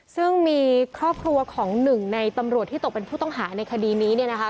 ซึ่งมีครอบครัวของหนึ่งในตำรวจที่ตกเป็นผู้ต้องหาในคดีนี้เนี่ยนะคะ